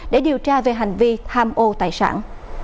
để điều tra về hành vi tham ô tài sản